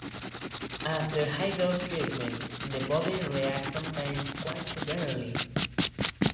After high-dose treatments, the body reacts, sometimes quite severely.